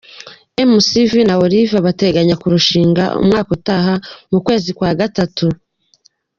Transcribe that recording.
Mc V na Olive bateganyaga kurushinga umwaka utaha mu kwezi kwa Gatatu.